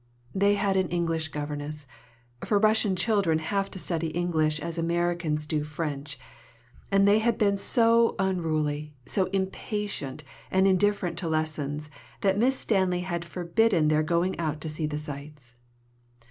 They had an English governess for Russian children have to study English as Americans do French and they had been so unruly, so impatient, and indifferent to lessons, that Miss Stanley had forbidden their going out to see the sights.